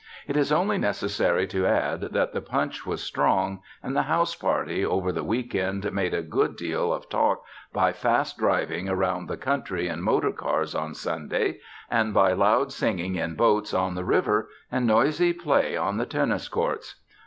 It is only necessary to add that the punch was strong and the house party over the week end made a good deal of talk by fast driving around the country in motor cars on Sunday and by loud singing in boats on the river and noisy play on the tennis courts.